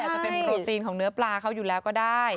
จะเป็นโปรตีนของเนื้อปลาเขาอยู่แล้วก็ได้